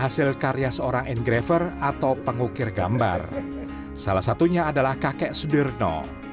salah satunya adalah kakek sudirno